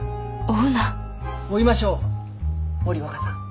追いましょう森若さん。